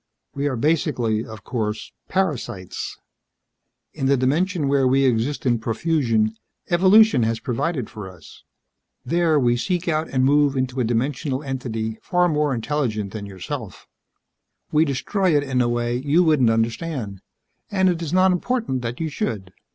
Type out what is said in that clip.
We are, basically of course, parasites. In the dimension where we exist in profusion, evolution has provided for us. There, we seek out and move into a dimensional entity far more intelligent than yourself. We destroy it in a way you wouldn't understand, and it is not important that you should.